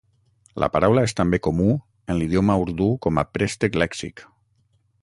La paraula és també comú en l'idioma urdú com a préstec lèxic.